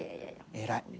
偉い。